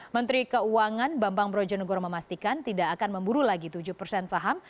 menteri keuangan bambang brojonegoro memastikan tidak akan memburu lagi tujuh persen saham